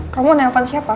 kamu nelepon siapa